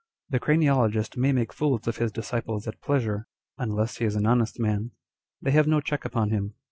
The craniologist may make fools of his disciples at pleasure, unless he is an honest man. They have no check upon him.